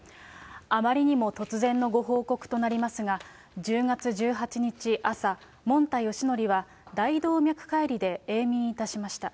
あまりにも突然のご報告となりますが、１０月１８日朝、もんたよしのりは、大動脈解離で永眠いたしました。